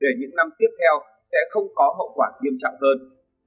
để những năm tiếp theo sẽ không có hậu quả nghiêm trọng hơn